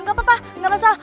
gapapa gak masalah